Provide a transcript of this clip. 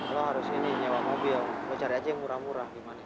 lo harus ini nyewa mobil mau cari aja yang murah murah gimana